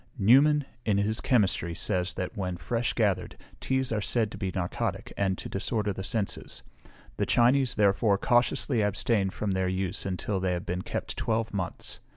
_ Newman, in his Chemistry, says, when fresh gathered, teas are said to be narcotic, and to disorder the senses; the Chinese, therefore, cautiously abstain from their use until they have been kept twelve months.